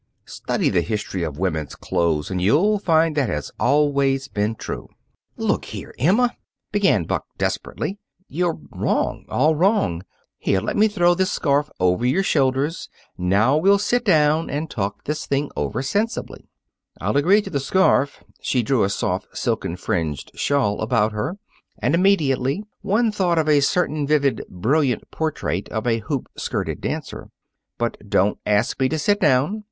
Study the history of women's clothes, and you'll find that has always been true." "Look here, Emma," began Buck, desperately; "you're wrong, all wrong! Here, let me throw this scarf over your shoulders. Now we'll sit down and talk this thing over sensibly." "I'll agree to the scarf" she drew a soft, silken, fringed shawl about her and immediately one thought of a certain vivid, brilliant portrait of a hoop skirted dancer "but don't ask me to sit down.